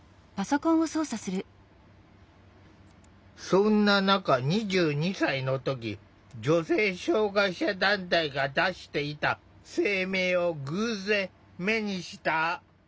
そんな中２２歳の時女性障害者団体が出していた声明を偶然目にした。